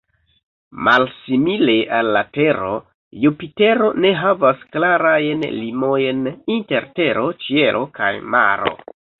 Malsimile al la Tero, Jupitero ne havas klarajn limojn inter tero, ĉielo kaj maro.